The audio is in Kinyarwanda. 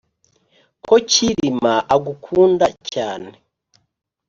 ko cyilima agukunda cyane